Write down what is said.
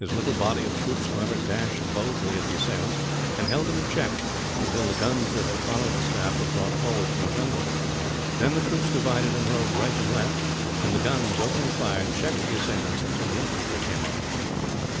His little body of troopers, however, dashed boldly at the assailants and held them in check, until the guns that had followed the staff were brought forward from the jungle. Then the troopers divided and rode right and left; and the guns, opening fire, checked the assailants until the infantry came up.